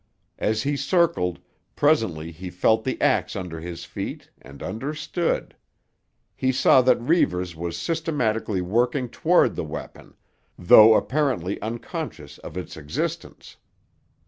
As he circled, presently he felt the axe under his feet and understood. He saw that Reivers was systematically working toward the weapon, though apparently unconscious of its existence.